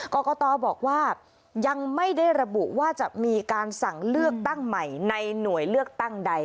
กรกตบอกว่ายังไม่ได้ระบุว่าจะมีการสั่งเลือกตั้งใหม่ในหน่วยเลือกตั้งใด